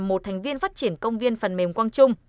một thành viên phát triển công viên phần mềm quang trung